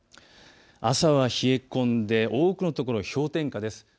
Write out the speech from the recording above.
朝は冷え込んで多くの所、氷点下です。